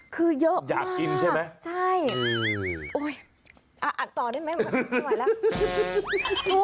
คือเยอะอยากกินใช่ไหมใช่อัดต่อได้ไหมไม่ไหวแล้ว